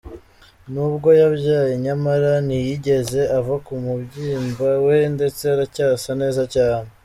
N’ubwo yabyaye nyamara ntiyigeze ava ku mubyimba we, ndetse aracyasa neza cyane.